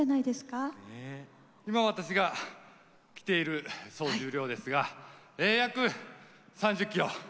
今私が着ている総重量ですが約３０キロ。